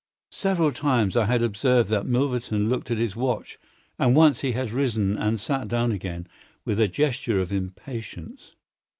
Several times I had observed that Milverton looked at his watch, and once he had risen and sat down again, with a gesture of impatience.